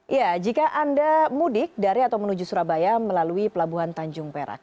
ya jika anda mudik dari atau menuju surabaya melalui pelabuhan tanjung perak